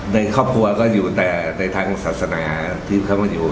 ในครอบครัวก็อยู่แต่ในทางศาสนาที่เขามาอยู่